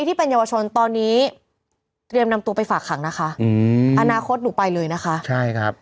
๖คนที่เป็นเยาวชนตอนนี้เตรียมนำตัวไปฝากขังนะคะอนาคตหนูไปเลยนะคะ